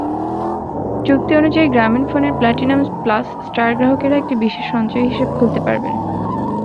চুক্তি অনুযায়ী গ্রামীণফোনের প্লাটিনাম প্লাস স্টার গ্রাহকেরা একটি বিশেষ সঞ্চয়ী হিসাব খুলতে পারবেন।